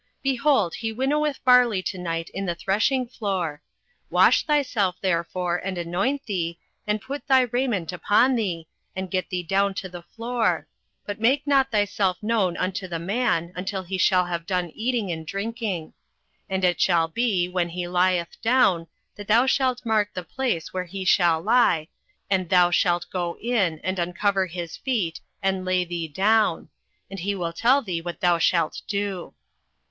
Behold, he winnoweth barley to night in the threshingfloor. 08:003:003 Wash thyself therefore, and anoint thee, and put thy raiment upon thee, and get thee down to the floor: but make not thyself known unto the man, until he shall have done eating and drinking. 08:003:004 And it shall be, when he lieth down, that thou shalt mark the place where he shall lie, and thou shalt go in, and uncover his feet, and lay thee down; and he will tell thee what thou shalt do.